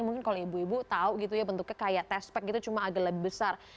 mungkin kalau ibu ibu tahu gitu ya bentuknya kayak test pack gitu cuma agak lebih besar